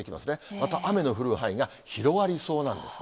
また雨の降る範囲が広がりそうなんですね。